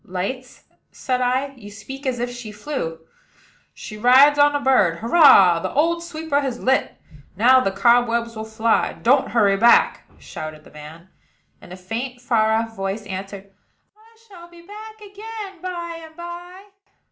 "Lights?" said I, "you speak as if she flew." "She rides on a bird. Hurrah! the old sweeper has lit. Now the cobwebs will fly. Don't hurry back," shouted the man; and a faint, far off voice answered, "I shall be back again by and by."